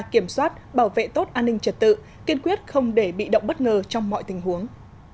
kiểm soát bảo vệ tốt an ninh trật tự kiên quyết không để bị động bất ngờ trong mọi tình huống